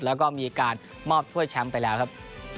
แล้วก็มีการมอบถ้วยแชมป์ไปแล้วครับ